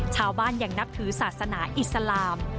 ชาวบ้านยังนับถือศาสนาอิสลาม